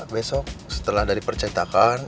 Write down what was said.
besok setelah dari percetakan